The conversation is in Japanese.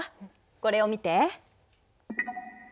これを見て。